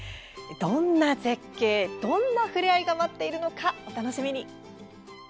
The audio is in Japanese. どんな絶景、どんな触れ合いが待っているのか、お楽しみに。